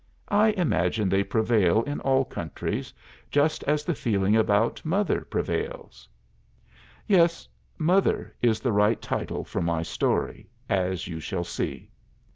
I imagine they prevail in all countries, just as the feeling about 'mother' prevails. Yes, 'Mother' is the right title for my story, as you shall see.